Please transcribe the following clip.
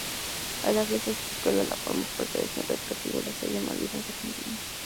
A la vez esta escuela forma parte del Centro Educativo La Salle Malvinas Argentinas.